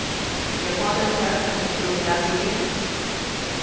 "Your father's health has improved latterly?"